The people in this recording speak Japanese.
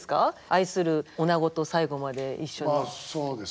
愛する女子と最後まで一緒で。